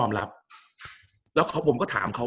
กับการสตรีมเมอร์หรือการทำอะไรอย่างเงี้ย